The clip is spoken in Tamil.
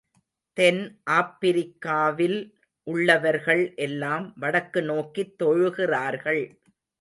தென் ஆப்பிரிக்காவில் உள்ளவர்கள் எல்லாம் வடக்கு நோக்கித் தொழுகிறார்கள்.